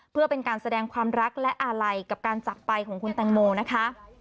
เพื่อเป็นการแสดงความรักและอาลัยกับการจักรไปของคุณแตงโมนะคะ